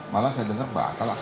malah saya dengar bakal